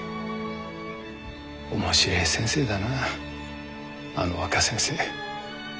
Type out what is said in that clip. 面白え先生だなあの若先生。